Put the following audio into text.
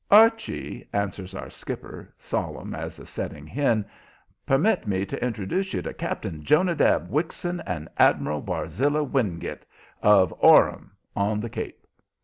"Archie," answers our skipper, solemn as a setting hen, "permit me to introduce to you Cap'n Jonadab Wixon and Admiral Barzilla Wingate, of Orham, on the Cape."